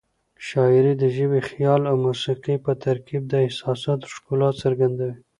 شاعري د ژبې، خیال او موسيقۍ په ترکیب د احساساتو ښکلا څرګندوي.